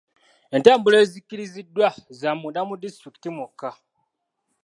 Entambula ezikkiriziddwa za munda mu disitulikiti mwokka.